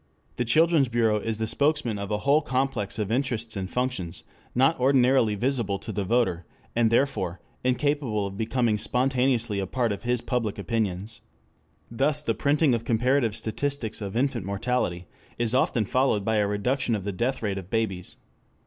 The Children's Bureau is the spokesman of a whole complex of interests and functions not ordinarily visible to the voter, and, therefore, incapable of becoming spontaneously a part of his public opinions. Thus the printing of comparative statistics of infant mortality is often followed by a reduction of the death rate of babies.